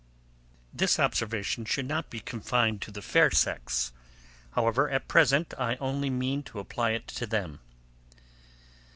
This observation should not be confined to the FAIR sex; however, at present, I only mean to apply it to them.